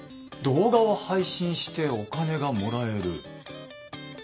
動画を配信してお金がもらえる。